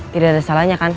tidak ada salahnya kan